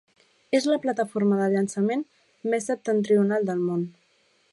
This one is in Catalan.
És la plataforma de llançament més septentrional del món.